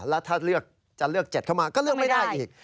แล้วถ้าเลือกจะเลือก๗เข้ามาก็เลือกไม่ได้อีก